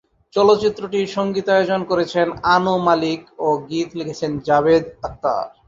চলচ্চিত্রটির সঙ্গীতায়োজন করেছেন আনু মালিক ও গীত লিখেছেন জাভেদ আখতার।